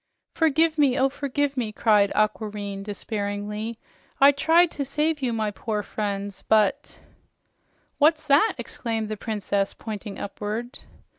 "Forgive me! Oh, forgive me!" cried Aquareine despairingly. "I tried to save you, my poor friends, but " "What's that?" exclaimed the Princess, pointing upward.